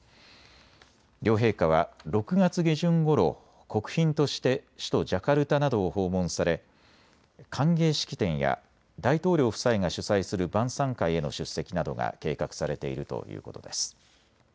両陛下は６月下旬ごろ、国賓として首都ジャカルタなどを訪問され歓迎式典や大統領夫妻が主催する晩さん会への出席などが計画されているということです。